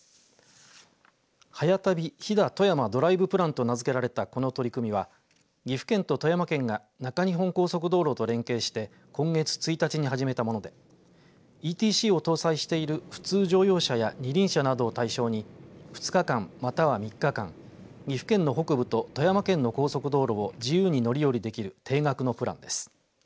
速旅飛騨・富山ドライブプランと名付けられたこの取り組みは岐阜県と富山県が中日本高速道路と連携し今月１日に始めたものでＥＴＣを搭載している普通乗用車や二輪車などを対象に２日間または３日間岐阜県の北部と富山県の高速道路を自由に乗り降りできる定額のプランです。